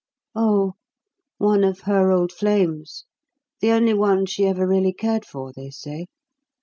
"Oh, one of her old flames, the only one she ever really cared for, they say.